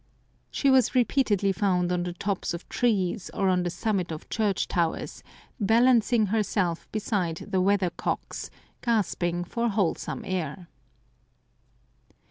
She was repeatedly found on the tops of trees, or on the summit of church towers, balancing herself beside the weathercocks, gasping for wholesome air.